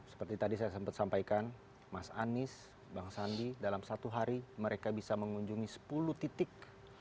seperti tadi saya sempat sampaikan mas anies bang sandi dalam satu hari mereka bisa mengunjungi sepuluh titik